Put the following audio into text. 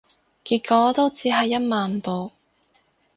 結果都只係一萬步